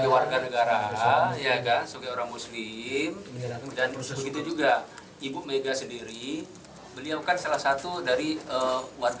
warga negara indonesia ini yang harus takut